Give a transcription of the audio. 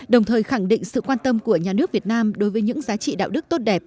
đồng thời khẳng định sự quan tâm của nhà nước việt nam đối với những giá trị đạo đức tốt đẹp